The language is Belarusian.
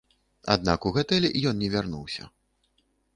Аднак у гатэль ён не вярнуўся.